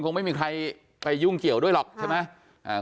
คงไม่มีใครไปยุ่งเกี่ยวด้วยหรอกใช่ไหม